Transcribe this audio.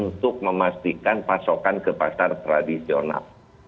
untuk memastikan pasokan ke pasar tradisional